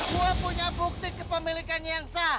gue punya bukti kepemilikan yang sah